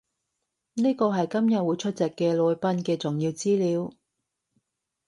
呢個係今日會出席嘅來賓嘅重要資料